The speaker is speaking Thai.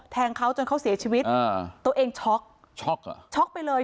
แทงเขาจนเขาเสียชีวิตอ่าตัวเองช็อกช็อกเหรอช็อกไปเลย